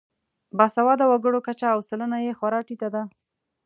باسواده وګړو کچه او سلنه یې خورا ټیټه ده.